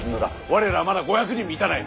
我らはまだ５００に満たない。